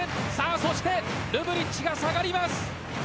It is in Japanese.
そしてルブリッチが下がります。